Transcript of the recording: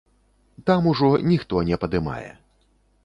Там ужо ніхто не падымае.